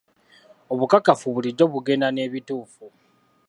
Obukakafu bulijjo bugenda n'ebituufu.